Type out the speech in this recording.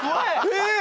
えっ？